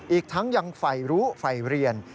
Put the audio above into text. อีกทั้งยังฝ่ายรู้ฝ่ายเรียน